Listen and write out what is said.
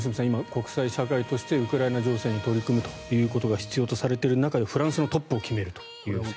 今、国際社会としてウクライナ情勢に取り組むということが必要とされている中でフランスのトップを決めるという。